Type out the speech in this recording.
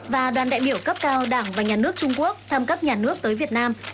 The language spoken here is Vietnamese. và đoàn đại biểu cấp cao đảng và nhà nước trung quốc tham cấp nhà nước tới việt nam